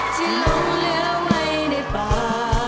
จะหลงเหลือไว้ในป่า